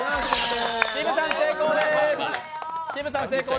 きむさん成功です。